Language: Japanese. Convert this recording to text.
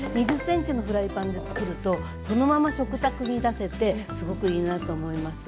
２０ｃｍのフライパンでつくるとそのまま食卓に出せてすごくいいなと思います。